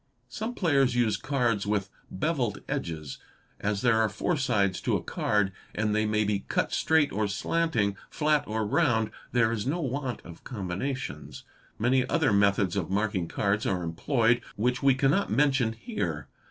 . Some players use cards with bevelled edges; as there are four sides to a card and they may be cut straight or slanting, flat or round, there is no want of combinations. Many other methods of marking cards are employed which we cannot mention here.